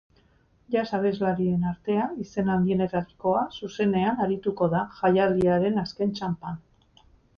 Jazz abeslarien artea, izen handienetarikoa zuzenean arituko da jaialdiaren azken txanpan.